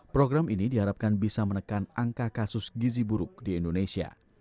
program ini diharapkan bisa menekan angka kasus gizi buruk di indonesia